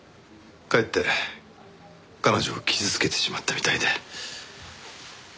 かえって彼女を傷つけてしまったみたいで。